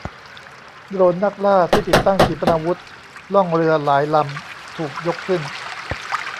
โดรนนักล่าที่ติดตั้งขีปนาวุธล่องเรือหลายลำถูกยกขึ้น